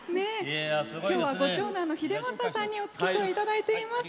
今日はご長男の英政さんにお付き添いいただいています。